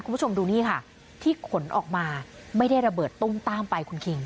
คุณผู้ชมดูนี่ค่ะที่ขนออกมาไม่ได้ระเบิดตุ้มต้ามไปคุณคิง